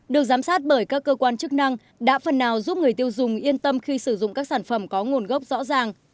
được giám sát bởi các cơ quan chức năng đã phần nào giúp người tiêu dùng yên tâm khi sử dụng các sản phẩm có nguồn gốc rõ ràng